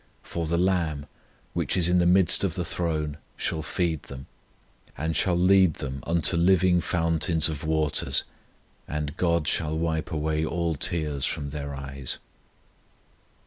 For the LAMB, which is in the midst of the throne, shall feed them, and shall lead them unto living fountains of waters; and GOD shall wipe away all tears from their eyes."